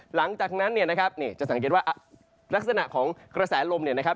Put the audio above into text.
หลังจากนั้นเนี่ยนะครับนี่จะสังเกตว่าลักษณะของกระแสลมเนี่ยนะครับ